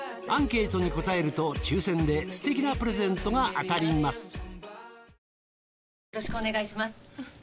アンケートに答えると抽選ですてきなプレゼントが当たります。